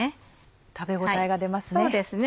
食べ応えが出ますね。